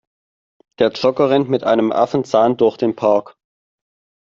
Der Jogger rennt mit einem Affenzahn durch den Park.